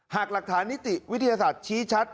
หากหลักฐานนิติวิทยาศาสตร์ชี้ชัด